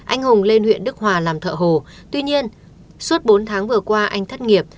anh hùng lên huyện đức hòa làm thợ hồ tuy nhiên suốt bốn tháng vừa qua anh thất nghiệp